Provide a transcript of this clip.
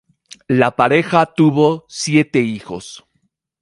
La pareja tuvo siete hijos.